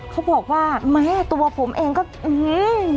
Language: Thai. เขาบอกว่าแม้ตัวผมเองก็อื้อ